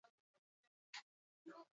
Zer duzu orain aurrean?